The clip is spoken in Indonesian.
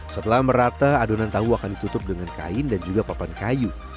setelah merata adonan tahu akan ditutup dengan kain dan juga papan kayu